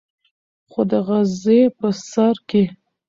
خو د غرۀ پۀ سر کښې